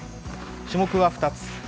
種目は２つ。